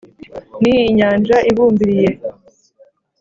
Ni inyanja ibumbiriye,